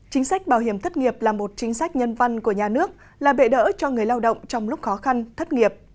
chính sách bảo hiểm thất nghiệp là một chính sách nhân văn của nhà nước là bệ đỡ cho người lao động trong lúc khó khăn thất nghiệp